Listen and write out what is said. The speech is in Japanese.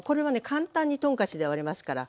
簡単にトンカチで割れますから。